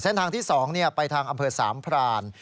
เส้นทางที่๒ไปทางอำเภอสามพราน